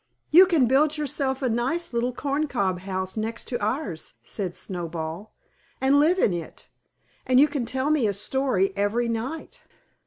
"You can build yourself a nice little corncob house next to ours," said Snowball, "and live in it; and you can tell me a story every night."